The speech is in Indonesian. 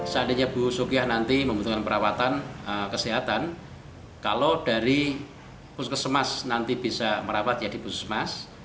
seandainya bu sukiah nanti membutuhkan perawatan kesehatan kalau dari puskesmas nanti bisa merawat ya di puskesmas